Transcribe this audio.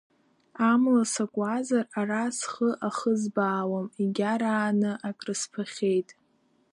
Амла сакуазар ара схы ахызбаауам, егьарааны акрысфахьеит.